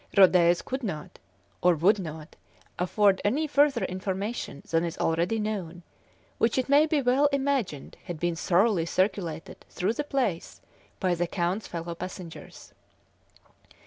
Rhodez could not, or would not, afford any further information than is already known, which it may be well imagined had been thoroughly circulated through the place by the Count's fellow passengers.